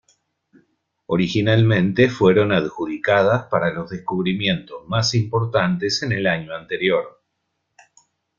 Originalmente fueron adjudicadas para los descubrimientos más importantes en el año anterior.